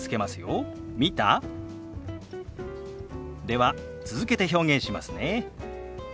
では続けて表現しますね。